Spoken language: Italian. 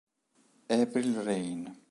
April Rain